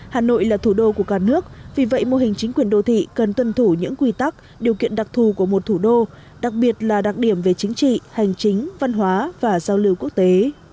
hà nội là thủ đô của cả nước vì vậy mô hình chính quyền đô thị cần tuân thủ những quy tắc điều kiện đặc thù của một thủ đô đặc biệt là đặc điểm về chính trị hành chính văn hóa và giao lưu quốc tế